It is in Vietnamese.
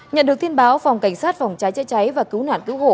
nhận được tin báo phòng cảnh sát phòng cháy chữa cháy và cứu nạn cứu hộ